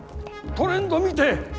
トレンド見て！